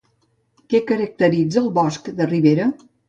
Què caracteritza el bosc de ribera?